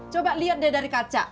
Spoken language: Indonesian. coba lihat deh dari kaca